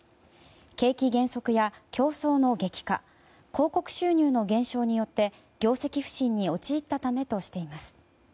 景気減速や競争の激化広告収入の減少によって業績不振に陥ったためとしています。